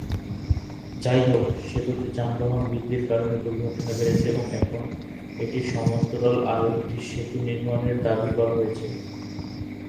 যাইহোক, সেতুতে যানবাহন বৃদ্ধির কারণে দুর্ঘটনা বেড়েছে এবং এখন এটির সমান্তরাল আরেকটি সেতু নির্মাণের দাবি করা হয়েছে।